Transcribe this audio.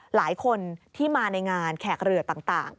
หลายคนที่มาในงานแขกเรือต่าง